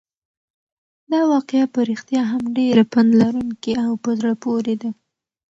دا واقعه په رښتیا هم ډېره پنده لرونکې او په زړه پورې ده.